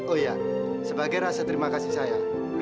oh ya sebagai rasa terima kasih saya